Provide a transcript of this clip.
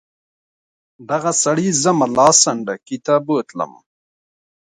دغه سړي زه ملا سنډکي ته بوتلم.